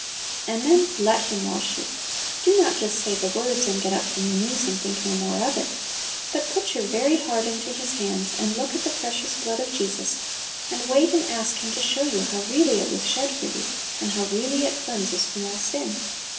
And then let Him wash you; do not just say the words, and get up from your knees, and think no more of it; but put your very heart into His hands, and look at the precious blood of Jesus, and wait and ask Him to show you how really it was shed for you, and how really it cleanses from all sin.